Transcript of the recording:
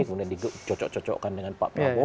kemudian dicocok cocokkan dengan pak prabowo